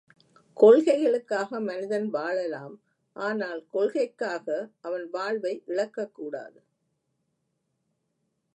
கொள்கைகளுக்காக மனிதன் வாழலாம் ஆனால் கொள்கைக்காக அவன் வாழ்வை இழக்கக்கூடாது.